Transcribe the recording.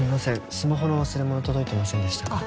スマホの忘れ物届いてませんでしたか？